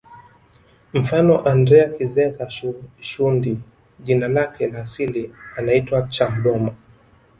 Mfano Andrea Kizenga Shundi jina lake la asili anaitwa Chamdoma